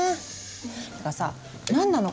ってかさ何なの？